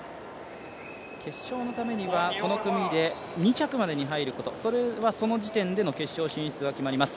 決勝のためにはこの組で２着までに入ること、その時点で決勝進出が決まります。